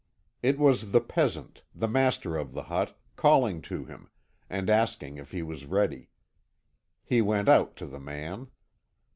It was the peasant, the master of the hut, calling to him, and asking if he was ready. He went out to the man.